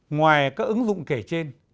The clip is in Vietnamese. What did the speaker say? ngoài các ứng dụng kể trên